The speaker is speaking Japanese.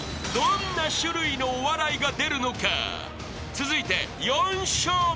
［続いて４笑目］